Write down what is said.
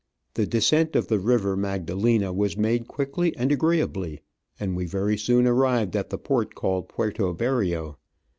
The descent of the river Magdalena was made quickly and agreeably, and we very soon arrived at the port called Puerto Berrio.